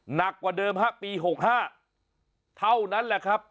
หนักกว่าเดิมฮะปี๖๕เท่านั้นแหละครับ